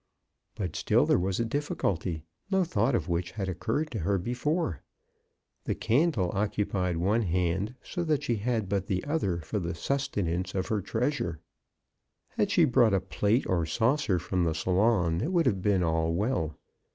But still there was a difficulty, no thought of which had occurred to her before. The candle occupied one hand, so that she had but the other for the sustenance of her treasure. Had she brought a plate or saucer from the salon, it would have been all well.